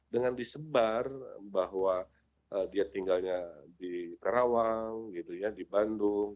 dengan disebar bahwa dia tinggalnya di kerawang di bandung